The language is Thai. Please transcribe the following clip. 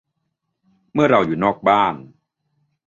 เมื่อเราอยู่นอกบ้าน